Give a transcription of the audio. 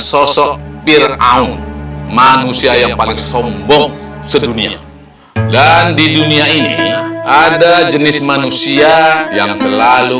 sosok peer aung manusia yang paling sombong sedunia dan di dunia ini ada jenis manusia yang selalu